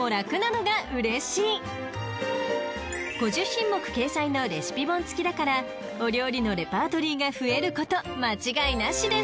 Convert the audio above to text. ［５０品目掲載のレシピ本付きだからお料理のレパートリーが増えること間違いなしです！］